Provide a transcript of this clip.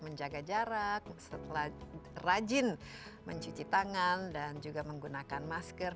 menjaga jarak setelah rajin mencuci tangan dan juga menggunakan masker